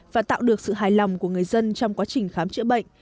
và tạo được sự hài lòng của người dân trong quá trình khám chữa bệnh